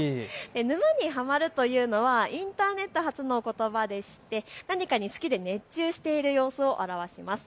沼にハマるというのはインターネット発のことばでして何かに好きで熱中している様子を表します。